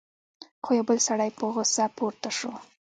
خو یو بل سړی په غصه پورته شو: